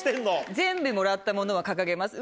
全部もらったものは掲げます。